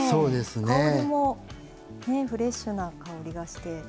香りもねフレッシュな香りがして。